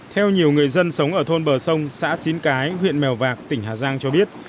theo nhiều người dân sống ở thôn bờ sông xã xín cái huyện mèo vạc tỉnh hà giang cho biết